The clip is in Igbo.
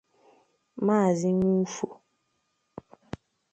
Maazị Nwufo